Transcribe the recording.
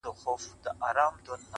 دطالع ستوری دي لوړ د لوی سلطان وي!.